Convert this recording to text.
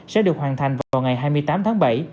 sẽ được hoàn thành vào ngày hai mươi tám tháng bảy